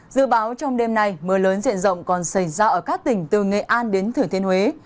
dự báo trong đêm nay mưa lớn diện rộng còn xảy ra ở các tỉnh từ nghệ an đến thử thiên huế